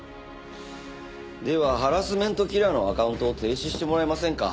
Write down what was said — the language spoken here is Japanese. ではハラスメントキラーのアカウントを停止してもらえませんか？